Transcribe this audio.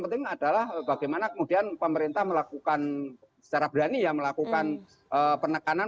penting adalah bagaimana kemudian pemerintah melakukan secara berani ya melakukan penekanan